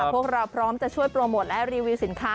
พวกเราพร้อมจะช่วยโปรโมทและรีวิวสินค้า